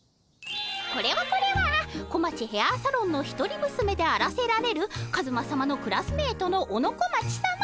これはこれは小町ヘアサロンの一人むすめであらせられるカズマさまのクラスメートの小野小町さま。